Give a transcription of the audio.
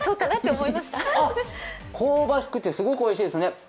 香ばしくてすごくおいしいですね。